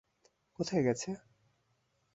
কোথায় গেছে?